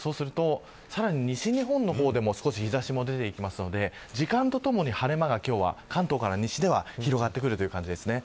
西日本の方でも日差しが出てくるので、時間とともに晴れ間が関東から西では広がっていく感じです。